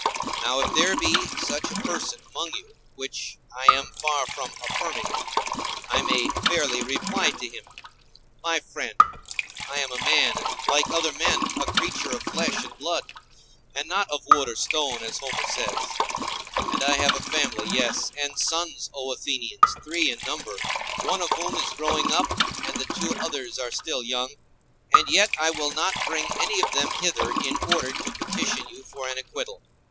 Now if there be such a person among you, which I am far from affirming, I may fairly reply to him: My friend, I am a man, and like other men, a creature of flesh and blood, and not of wood or stone, as Homer says; and I have a family, yes, and sons. O Athenians, three in number, one of whom is growing up, and the two others are still young; and yet I will not bring any of them hither in order to petition you for an acquittal.